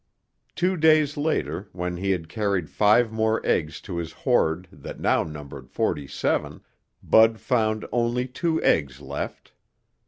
Two days later, when he had carried five more eggs to his hoard that now numbered forty seven, Bud found only two eggs left.